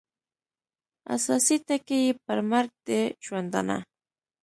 اساسي ټکي یې پر مرګ د ژوندانه